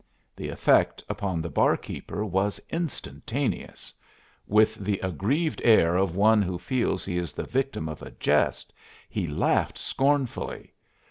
The effect upon the barkeeper was instantaneous. With the aggrieved air of one who feels he is the victim of a jest he laughed scornfully.